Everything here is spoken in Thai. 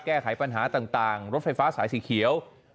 แก้ไขปัญหาต่างรถไฟฟ้าสายสีเขียว